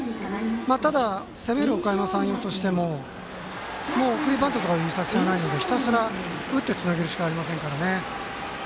ただ攻めるおかやま山陽としても送りバントという作戦はないのでひたすら打ってつなげるしかありませんからね。